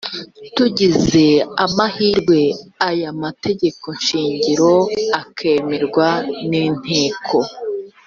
tugize amahirwe aya mategeko shingiro akemerwa n’inteko